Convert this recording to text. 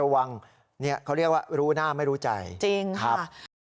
วันนี้เราก็ไปแจ้งความเสร็จแล้ว